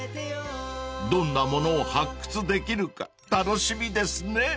［どんなものを発掘できるか楽しみですね］